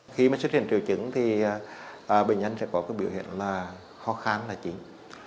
khi mà xuất hiện triều chứng thì bệnh nhân sẽ có cái biểu hiện là khó kháng là chính